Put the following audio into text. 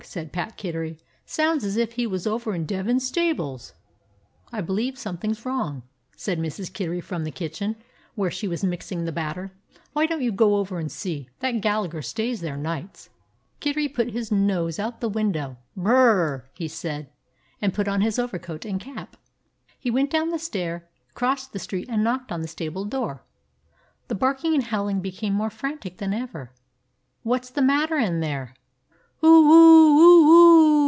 said Pat Kittery. "Sounds as if he was over in Devin's stables." "I believe something 's wrong," said Mrs. Kittery from the kitchen, where she was mix ing the batter. "Why don't you go over and see? That Gallagher stays there nights." Kittery put his nose out the window. "Br r r r!" he said, and put on his overcoat and cap. He went down the stair, crossed the street, and knocked at the stable door. The barking and howling became more frantic than ever. "What 's the matter in there?" "Oo oo oo oo